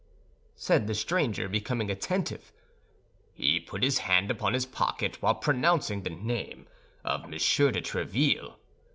said the stranger, becoming attentive, "he put his hand upon his pocket while pronouncing the name of Monsieur de Tréville?